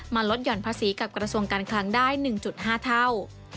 ลดหย่อนภาษีกับกระทรวงการคลังได้๑๕เท่า